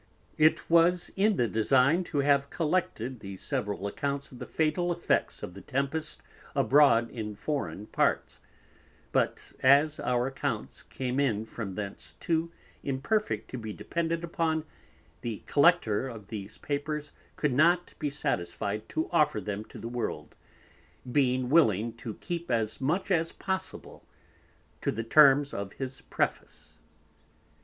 It was in the design to have Collected the several Accounts of the fatal effects of the Tempest abroad in Foreign Parts; but as our Accounts came in from thence too imperfect to be depended upon; the Collector of these Papers could not be satisfied to offer them to the World, being willing to keep as much as possible to the Terms of his Preface.